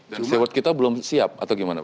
dan steward kita belum siap atau gimana pak